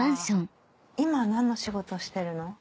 今何の仕事してるの？